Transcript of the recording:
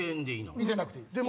見せなくていいです。